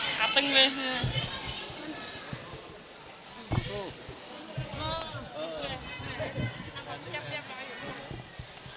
ฮะโอเคค่ะ